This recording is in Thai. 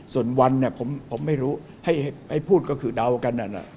ส่วนวันเนี่ยผมไม่รู้ให้พูดก็คือเดากันนั่น